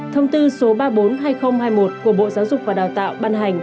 thông tư số ba trăm bốn mươi hai nghìn hai mươi một của bộ giáo dục và đào tạo ban hành